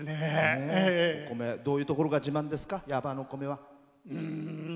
お米どういうところが自慢ですか？